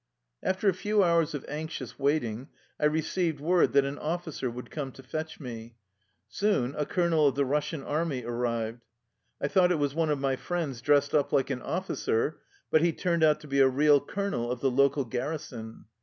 " After a few hours of anxious waiting I re ceived word that an officer would come to fetch me. Soon a colonel of the Russian army ar rived. I thought it was one of my friends dressed up like an officer, but he turned out to be a real colonel, of the local garrison.